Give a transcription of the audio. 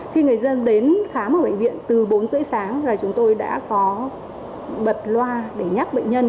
khi người dân đến khám ở bệnh viện từ bốn h ba mươi sáng là chúng tôi đã có bật loa để nhắc bệnh nhân